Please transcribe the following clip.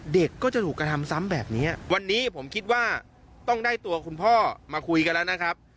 เด็กก็จะถูกกระทำซ้ำแบบนี้วันนี้ผมคิดว่าต้องได้ตัวคุณพ่อมาคุยกันแล้วนะครับ